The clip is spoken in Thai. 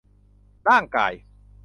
ร่างกาย